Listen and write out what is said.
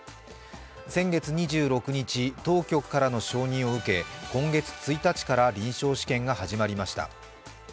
先月２６日、当局からの承認を受け、今月１日から臨床試験が始まりました。